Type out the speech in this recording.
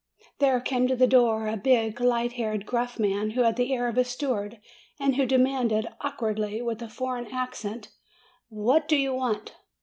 There came to the door a big, light haired, gruff man, who had the air of a steward, and who de manded awkwardly, with a foreign accent: "What do you want?"